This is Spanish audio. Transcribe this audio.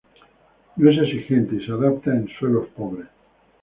No es exigente y se adapta en suelos pobres.